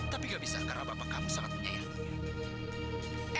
tapi tidak bisa karena bapak kamu sangat menyayangi dia